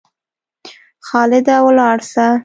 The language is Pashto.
خالده ولاړ سه!